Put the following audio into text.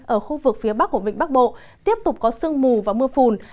ở khu vực phía bắc của vịnh bắc bộ tiếp tục có sương mù và mưa phùn